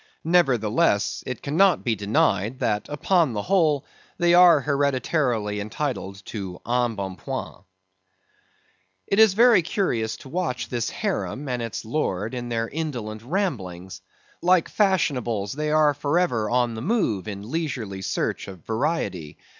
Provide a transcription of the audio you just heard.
Nevertheless, it cannot be denied, that upon the whole they are hereditarily entitled to en bon point. It is very curious to watch this harem and its lord in their indolent ramblings. Like fashionables, they are for ever on the move in leisurely search of variety.